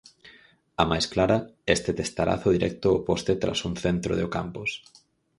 A máis clara, este testarazo directo ao poste tras un centro de Ocampos.